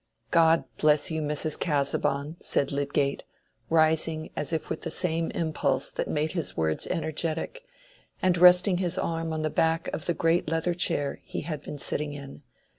"God bless you, Mrs. Casaubon!" said Lydgate, rising as if with the same impulse that made his words energetic, and resting his arm on the back of the great leather chair he had been sitting in.